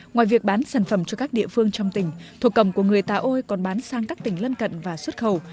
ngoài việc bán sản phẩm cho các địa phương trong tỉnh thổ cầm của người tà ôi còn bán sang các tỉnh lân cận và xuất khẩu